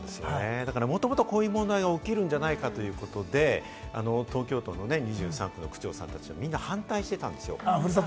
もともとこういう問題が起きるんじゃないかということで、東京都のね、２３区の区長さんたち、反対していたんですよ。